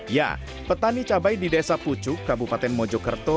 ya petani cabai di desa pucuk kabupaten mojokerto